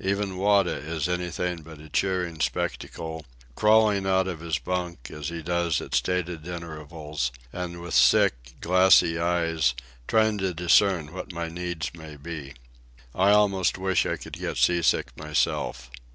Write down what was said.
Even Wada is anything but a cheering spectacle, crawling out of his bunk, as he does at stated intervals, and with sick, glassy eyes trying to discern what my needs may be. I almost wish I could get sea sick myself.